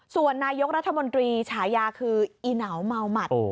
ส่วนนายกรัฐมนตรีฉายาคืออีเหนาเมาหมัด